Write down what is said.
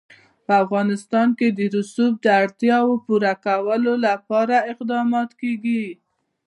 په افغانستان کې د رسوب د اړتیاوو پوره کولو لپاره اقدامات کېږي.